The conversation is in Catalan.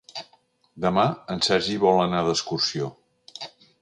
Demà en Sergi vol anar d'excursió.